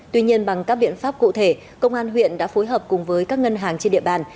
tuy nhiên bằng các biện pháp cụ thể công an huyện đã phối hợp cùng với các ngân hàng trên địa bàn